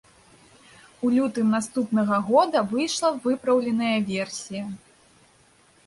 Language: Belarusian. У лютым наступнага года выйшла выпраўленая версія.